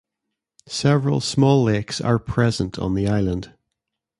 Several small lakes are present on the island.